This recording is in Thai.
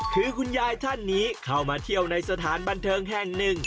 คือคุณยายท่านนี้เข้ามาเที่ยวในสถานบันเทิงแห่งหนึ่ง